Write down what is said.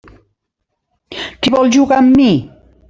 Qui vol jugar amb mi?